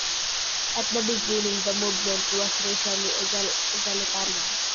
At the beginning, the movement was racially egalitarian.